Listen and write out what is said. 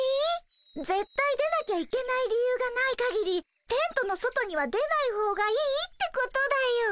ぜっ対出なきゃいけない理由がないかぎりテントの外には出ないほうがいいってことだよ。